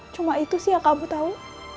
cuma itu sih yang kamu tahu